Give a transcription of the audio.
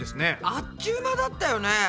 あっちゅう間だったよね。ね。